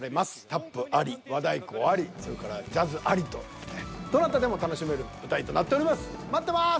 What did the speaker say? タップあり和太鼓ありそれからジャズありとどなたでも楽しめる舞台となっております。